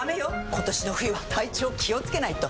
今年の冬は体調気をつけないと！